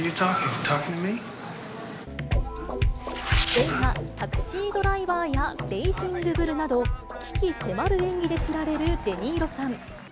映画、タクシードライバーやレイジング・ブルなど鬼気迫る演技で知られるデ・ニーロさん。